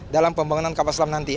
dalam pembangunan kapal selam nanti